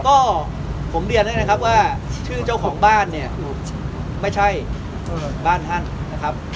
ก็ผมเรียนให้นะครับว่าชื่อเจ้าของบ้านเนี่ยไม่ใช่บ้านท่านนะครับ